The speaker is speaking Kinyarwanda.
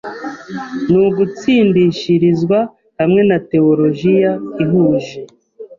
ni ugutsindishirizwa hamwe na tewolojiya ihuje